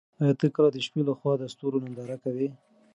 ایا ته کله د شپې له خوا د ستورو ننداره کوې؟